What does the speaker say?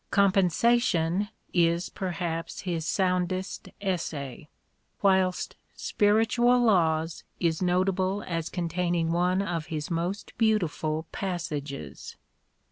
" Compensation " is perhaps his soundest essay ; whilst " Spiritual Laws " is notable as containing one of his most beautiful passages.